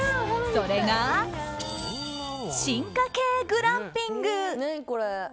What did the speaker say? それが進化形グランピング。